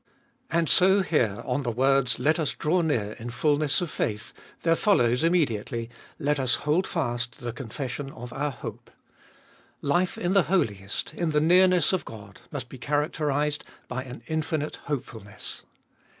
And so here, on the words Let us draw near in fulness of faith, there follows immediately, Let us hold fast the confession of our hope. Life in the Holiest, in the nearness of God, must be characterised by an infinite hopefulness.